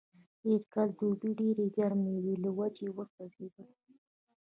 تېر کال دوبی د ډېرې ګرمۍ له وجې وسوځېدلو.